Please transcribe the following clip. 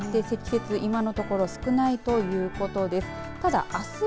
積雪、今のところ少ないということです。